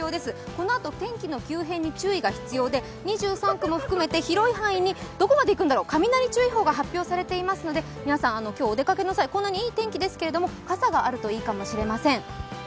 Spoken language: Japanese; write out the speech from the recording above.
このあと天気の急変に注意が必要で、２３区も含めて広い範囲に雷注意報が発表されていますので皆さん、今日お出かけの際、こんなにいいお天気ですけど傘があるといいかもしれません。